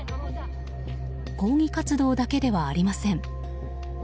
抗議活動だけではありません。